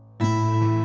gak ada apa apa